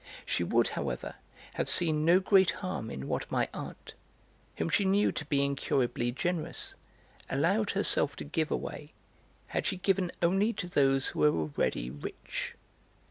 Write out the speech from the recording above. She would, however, have seen no great harm in what my aunt, whom she knew to be incurably generous, allowed herself to give away, had she given only to those who were already rich.